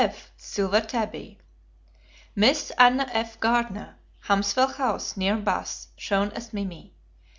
F. Silver Tabby. Miss Anna F. Gardner, Hamswell House, near Bath, shown as Mimi.